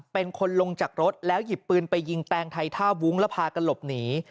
เป็นคนลงจากรถแล้วหยิบปืนไปยิงแปลงไทยท่าวุ้งแล้วพากันหลบหนี